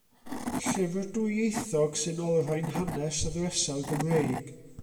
Llyfr dwyieithog sy'n olrhain hanes y Ddresel Gymreig.